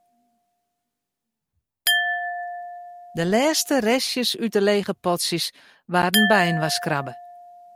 De lêste restjes út de lege potsjes waarden byinoarskrabbe.